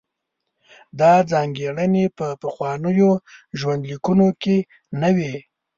دا ځانګړنې په پخوانیو ژوندلیکونو کې نه وې.